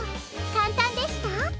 かんたんでした？